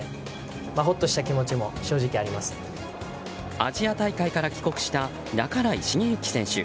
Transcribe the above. アジア大会から帰国した半井重幸選手。